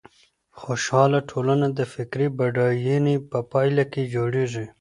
خوشحاله ټولنه د فکري بډاينې په پايله کي جوړېږي.